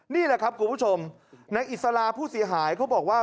นี่แหละครับคุณผู้ชมนายอิสลาผู้เสียหายเขาบอกว่า